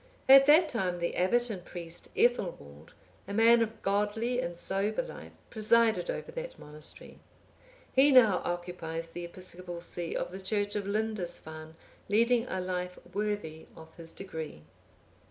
At that time the abbot and priest Ethelwald,(846) a man of godly and sober life, presided over that monastery. He now occupies the episcopal see of the church of Lindisfarne, leading a life worthy of his degree.